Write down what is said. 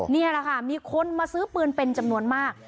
นี่แหละค่ะมีคนมาซื้อปืนเป็นจำนวนมาก